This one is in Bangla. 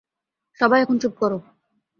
সবাই এখন চুপ করো!